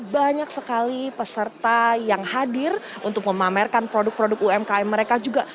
banyak sekali peserta yang hadir untuk memamerkan produk produk umkm mereka juga